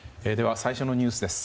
最初のニュースです。